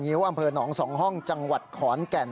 ิ้วอำเภอหนอง๒ห้องจังหวัดขอนแก่น